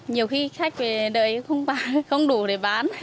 nhiều khi khách về đợi không đủ để bán